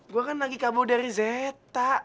gua kan lagi kabur dari zeta